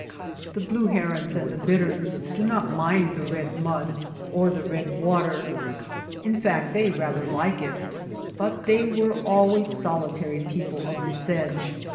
The blue herons and the bitterns do not mind the red mud or the red water, in fact they rather like it ; but they were always solitary people of the sedge.